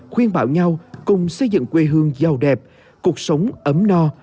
khuyên bảo nhau cùng xây dựng quê hương giàu đẹp cuộc sống ấm no